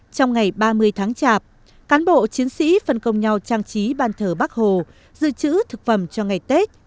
trong ngày ba mươi tháng chạp cán bộ chiến sĩ phân công nhau trang trí ban thờ bắc hồ dự trữ thực phẩm cho ngày tết